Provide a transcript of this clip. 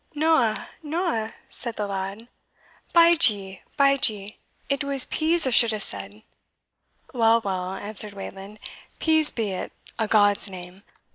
"Noa, noa," said the lad; "bide ye bide ye it was PEAS a should ha said." "Well, well," answered Wayland, "Peas be it, a God's name!